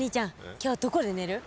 今日はどこで寝る？